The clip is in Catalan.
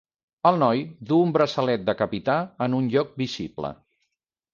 El noi duu un braçalet de capità en un lloc visible.